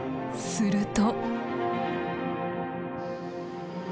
すると。